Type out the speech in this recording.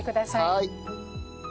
はい。